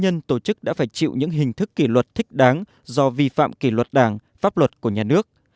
nhân tổ chức đã phải chịu những hình thức kỷ luật thích đáng do vi phạm kỷ luật đảng pháp luật của nhà nước